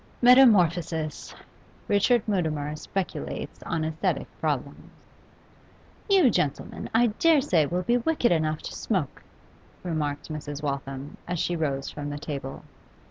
Metamorphosis! Richard Mutimer speculates on asthetic problems. 'You, gentlemen, I dare say will be wicked enough to smoke,' remarked Mrs. Waltham, as she rose from the table.